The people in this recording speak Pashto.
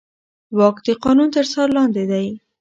واک د قانون تر څار لاندې دی.